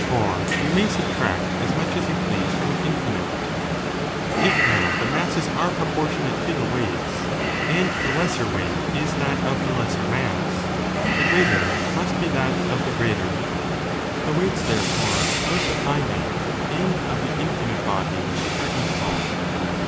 For you may subtract as much as you please from an infinite. If now the masses are propor tionate to the weights, and the lesser weight is that of the lesser mass, the greater must be that of the greater. The 5 weights, therefore, of the finite and of the infinite body are equal.